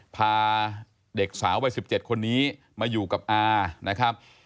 พาเด็กสาววัย๑๗คนนี้มาอยู่กับอานะครับ